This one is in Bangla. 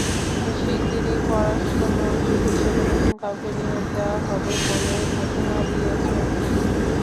শিগগিরই পররাষ্ট্রমন্ত্রী হিসেবে নতুন কাউকে নিয়োগ দেওয়া হবে বলে ঘোষণা দিয়েছেন তিনি।